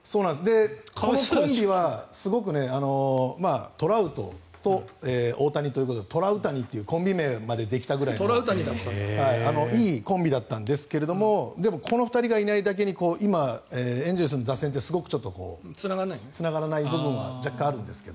このコンビはすごくトラウトと大谷ということでトラウタニにというコンビ名までできたぐらいなのでいいコンビだったんですけどでもこの２人がいないだけにエンゼルスの打線がすごくつながらない部分が若干あるんですけど。